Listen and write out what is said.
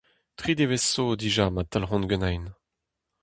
Tri devezh ’zo dija ma talc’hont ganin.